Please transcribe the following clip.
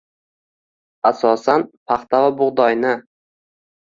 Asosan paxta va bug‘doyni.